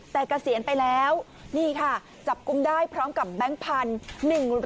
แต่เกษียณไปแล้วนี่ค่ะจับกุมได้พร้อมกับแบงค์พันธุ์